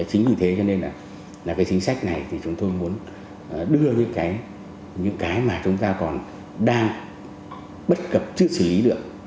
chính vì thế cho nên là cái chính sách này thì chúng tôi muốn đưa những cái mà chúng ta còn đang bất cập chứ xử lý được